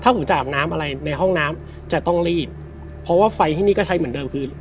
หูจะอาบน้ำอะไรในห้องน้ำจะต้องรีบเพราะว่าไฟที่นี่ก็ใช้เหมือนเดิมคือ